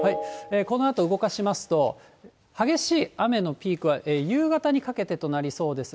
このあと動かしますと、激しい雨のピークは夕方にかけてとなりそうです。